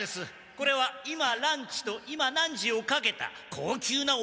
これは「今ランチ」と「今何時？」をかけた高級なおやじギャグです。